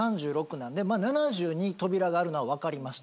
なんで７２扉があるのは分かりました。